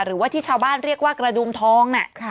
หรือว่าที่ชาวบ้านเรียกว่ากระดุมทองน่ะ